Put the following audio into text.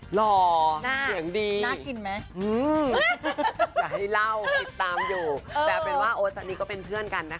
หล่อเสียงดีน่ากินไหมอยากให้เล่าติดตามอยู่แต่เป็นว่าโอ๊ตตอนนี้ก็เป็นเพื่อนกันนะคะ